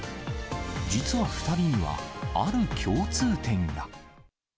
実は２人には、ある共通点が。